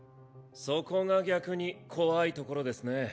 そこが逆に怖いところですね。